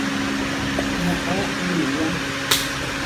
Noʼó iʼnuwá.